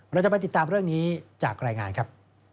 เราจะไปติดตามเรื่องนี้จากรายงานครับ